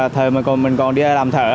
thời mình còn đi làm thợ